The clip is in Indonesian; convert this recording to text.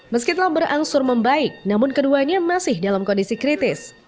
meskipun telah berangsur membaik namun keduanya masih dalam kondisi kritis